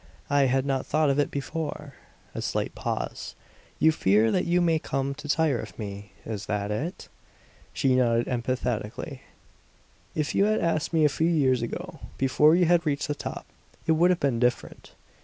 I had not thought of it before." A slight pause. "You fear that you may come to tire of me; is that it?" She nodded emphatically. "If you had asked me a few years ago, before you had reached the top it would have been different."